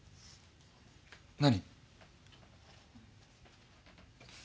何？